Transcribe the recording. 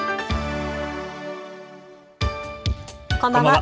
こんばんは。